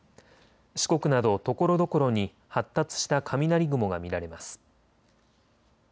四国など、ところどころに発達した雷雲が見られます。